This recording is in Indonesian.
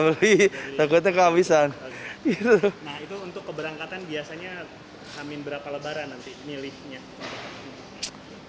nah itu untuk keberangkatan biasanya hamin berapa lebaran nanti milihnya